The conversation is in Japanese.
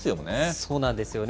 そうなんですよね。